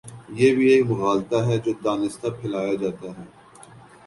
یہ بھی ایک مغالطہ ہے جو دانستہ پھیلایا جا تا ہے۔